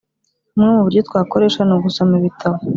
Bumwe mu buryo twakoresha ni ugusoma Igitabo